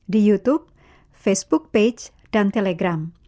di youtube facebook page dan telegram